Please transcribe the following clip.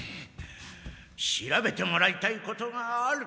調べてもらいたいことがある。